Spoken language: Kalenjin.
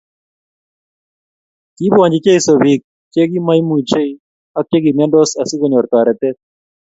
Kinbwonchi Jesu biik che kimaimuchiei ak chekimyandos asikonyor toretet